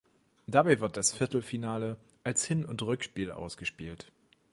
Dabei wird das Viertelfinale als Hin- und Rückspiel ausgespielt.